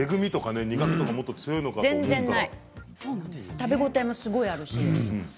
食べ応えもすごくあるし。